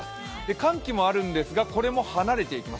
寒気もあるんですが、これも離れていきます。